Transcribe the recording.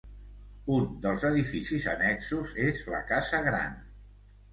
Un dels edificis annexos és la Casa Gran.